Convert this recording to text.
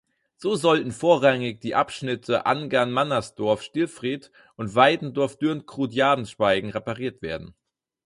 So sollten vorrangig die Abschnitte Angern–Mannersdorf–Stillfried und Waidendorf–Dürnkrut–Jedenspeigen repariert werden.